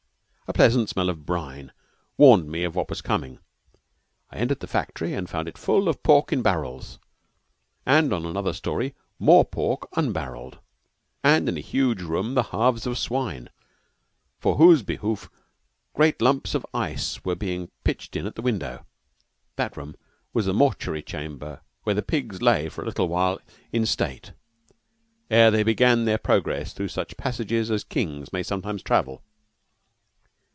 A pleasant smell of brine warned me of what was coming. I entered the factory and found it full of pork in barrels, and on another story more pork un barrelled, and in a huge room the halves of swine, for whose behoof great lumps of ice were being pitched in at the window. That room was the mortuary chamber where the pigs lay for a little while in state ere they began their progress through such passages as kings may sometimes travel.